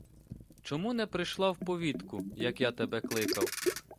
Чому не прийшла в повітку, як я тебе кликав?